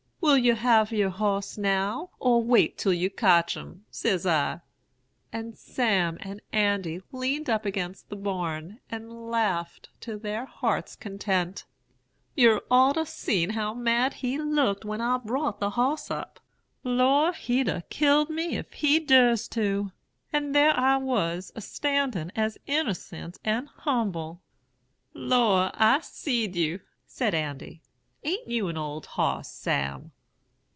Will you have yer hoss now, or wait till you cotch him? says I.' And Sam and Andy leaned up against the barn, and laughed to their hearts' content. "'Yer oughter seen how mad he looked when I brought the hoss up. Lor', he'd a killed me if he durs' to; and there I was a standin' as innercent and humble.' "'Lor', I seed you,' said Andy. 'A'n't you an old hoss, Sam?'